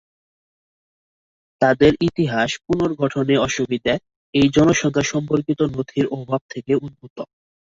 তাদের ইতিহাস পুনর্গঠনে অসুবিধা এই জনসংখ্যা সম্পর্কিত নথির অভাব থেকে উদ্ভূত।